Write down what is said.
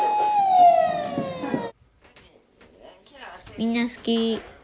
みんな好き。